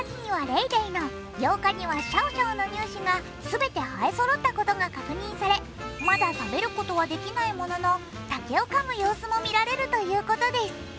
乳歯がすべて生えそろったことが確認されまだ食べることはできないものの、竹をかむ様子も見られるということです。